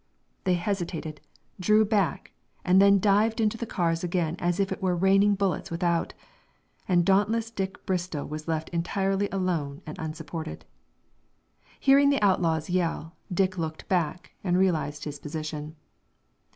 They hesitated, drew back, and then dived into the cars again as if it were raining bullets without, and dauntless Dick Bristol was left entirely alone and unsupported. Hearing the outlaws yell, Dick looked back and realized his position.